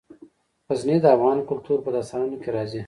غزني د افغان کلتور په داستانونو کې راځي.